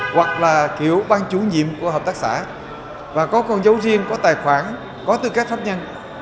hoặc là kiểu ban chủ nhiệm của hợp tác xã và có con dấu riêng có tài khoản có tư cách pháp nhân